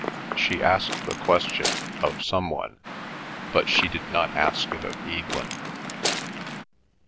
She asked the question of some one, but she did not ask it of Evelyn.